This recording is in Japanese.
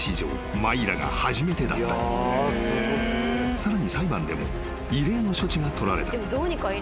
［さらに裁判でも異例の処置が取られた］